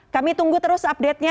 kami tunggu terus update nya